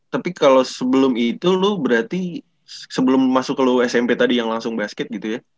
tapi kalau sebelum itu lo berarti sebelum masuk ke luw smp tadi yang langsung basket gitu ya